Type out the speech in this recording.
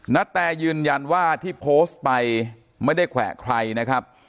นาแตยืนยันว่าที่โพสต์ไปไม่ได้แขวะใครนะครับ